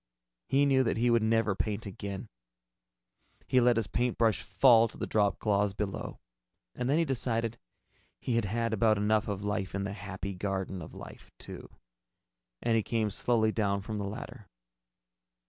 He knew that he would never paint again. He let his paintbrush fall to the dropcloths below. And then he decided he had had about enough of life in the Happy Garden of Life, too, and he came slowly down from the ladder.